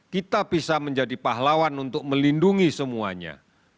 kita bisa menjadi pahlawan untuk melindungi semuanya